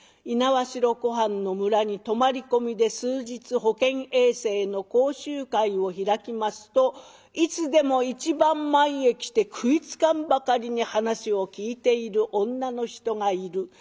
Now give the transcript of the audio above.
猪苗代湖畔の村に泊まり込みで数日保健衛生の講習会を開きますといつでも一番前へ来て食いつかんばかりに話を聞いている女の人がいる。